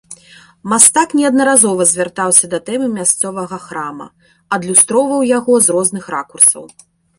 Мастак неаднаразова звяртаўся да тэмы мясцовага храма, адлюстроўваў яго з розных ракурсаў.